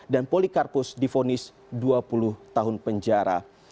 dan polikarpus difonis dua puluh tahun penjara